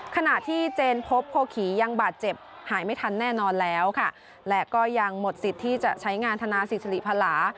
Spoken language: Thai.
ขณะที่เจนพบโพขี่ยังบาดเจ็บหายไม่ทันแน่นอนแล้วค่ะและก็ยังหมดสิทธิ์ที่จะใช้งานธนาศิษริพลา